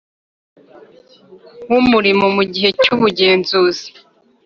W umurimo mu gihe cy ubugenzuzi